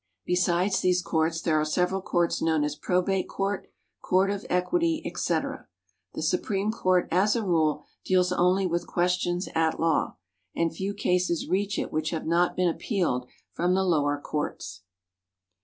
Besides these courts there are several courts known as Probate Court, Court of Equity, etc. The Supreme Court, as a rule, deals only with questions at law, and few cases reach it which have not been appealed from the lower courts.